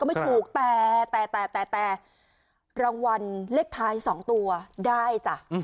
ก็ไม่ถูกแต่แต่แต่แต่แต่รางวัลเลขท้ายสองตัวได้จ้ะ